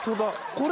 これ！